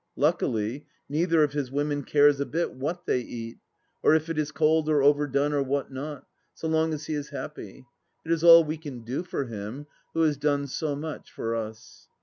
Luckily, neither of his women cares a bit what they eat, or if it is cold or overdone or what not, so long as he is happy. It is all we can do for him, who has done so much for us.